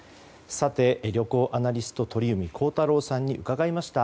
旅行アナリスト鳥海高太朗さんに伺いました。